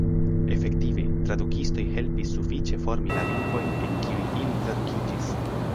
Efektive, tradukistoj helpis sufiĉe formi la lingvojn en kiuj ili tradukiĝis.